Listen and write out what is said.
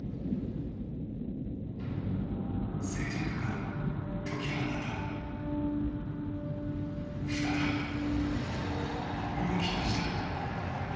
静寂から解き放たれ再び、動き出した。